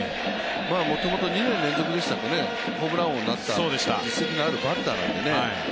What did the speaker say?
もともと２年連続でしたっけね、ホームラン王になった実績のあるバッターですからね。